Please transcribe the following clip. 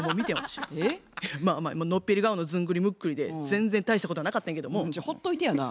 のっぺり顔のずんぐりむっくりで全然大したことはなかったんやけども。じゃあほっといてやな。